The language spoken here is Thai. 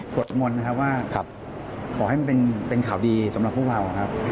ปรวจมนต์นะคะว่าขอให้มันเป็นข่าวดีสำหรับพวกเรา